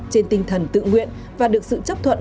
trên tinh thần tự nguyện và được sự chấp thuận